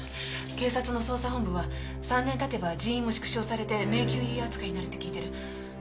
警察の捜査本部は３年経てば人員も縮小されて迷宮入り扱いになるって聞いてる。